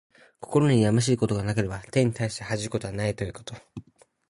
心にやましいことがなければ、天に対して恥じることはないということ。